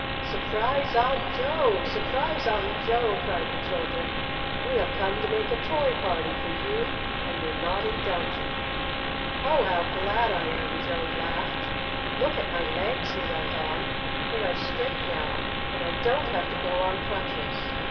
"Surprise on Joe! Surprise on Joe!" cried the children. "We have come to make a Toy Party for you and your Nodding Donkey!" "Oh, how glad I am!" Joe laughed. "Look at my legs!" he went on. "They are straight now, and I don't have to go on crutches.